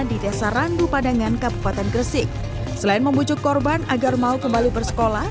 di desa randu padangan kabupaten gresik selain membujuk korban agar mau kembali bersekolah